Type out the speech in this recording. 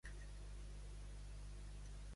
La taula de diàleg no s'atura.